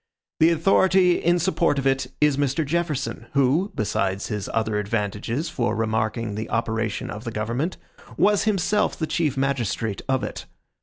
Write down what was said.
The authority in support of it is Mr. Jefferson, who, besides his other advantages for remarking the operation of the government, was himself the chief magistrate of it.